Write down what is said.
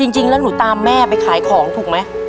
จริงแล้วหนูตามแม่ไปขายของถูกไหม